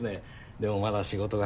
でもまだ仕事が。